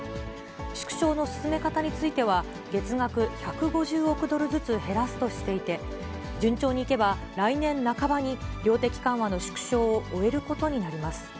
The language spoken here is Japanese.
縮小の進め方については、月額１５０億ドルずつ減らすとしていて、順調にいけば、来年半ばに、量的緩和の縮小を終えることになります。